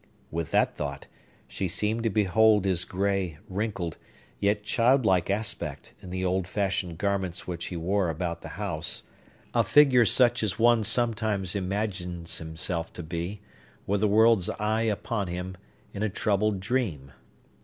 With that thought, she seemed to behold his gray, wrinkled, yet childlike aspect, in the old fashioned garments which he wore about the house; a figure such as one sometimes imagines himself to be, with the world's eye upon him, in a troubled dream.